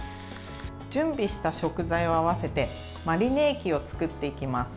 準備した食材を合わせてマリネ液を作っていきます。